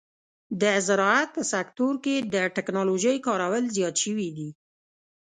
د زراعت په سکتور کې د ټکنالوژۍ کارول زیات شوي دي.